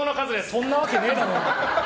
そんなわけねえだろお前。